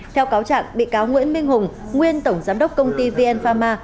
theo cáo trạng bị cáo nguyễn minh hùng nguyên tổng giám đốc công ty vn pharma